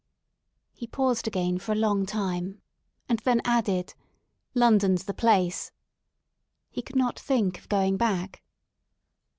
" He paused again for a long time and then added :London 's the place." He could not think of going back.